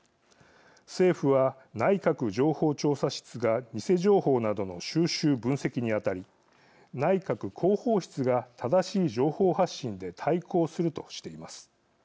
政府は、内閣情報調査室が偽情報などの収集分析に当たり内閣広報室が正しい情報発信で対抗するとしています。